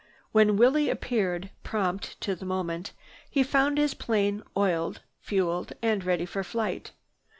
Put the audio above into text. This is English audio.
When Willie appeared, prompt to the moment, he found his plane oiled, fueled and ready for flight.